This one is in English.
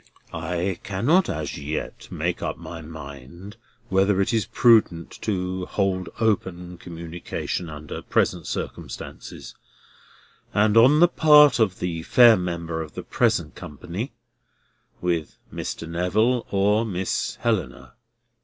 "I cannot as yet make up my mind whether it is prudent to hold open communication under present circumstances, and on the part of the fair member of the present company, with Mr. Neville or Miss Helena.